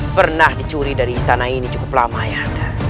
pernah dicuri dari istana ini cukup lama ya